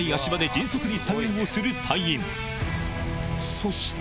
そして！